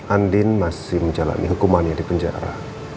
andin masih menjalani hukumannya di penjara